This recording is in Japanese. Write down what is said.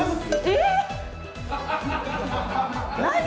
えっ！？